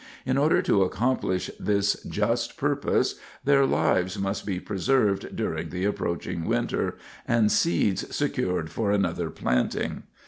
In order to accomplish this just purpose, their lives must be preserved during the approaching winter, and seeds secured for another planting.